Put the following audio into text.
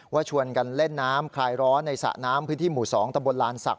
ชวนกันเล่นน้ำคลายร้อนในสระน้ำพื้นที่หมู่๒ตะบนลานศักด